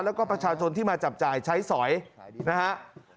แล้วก็ประชาชนที่มาจับจ่ายใช้สอยนะครับ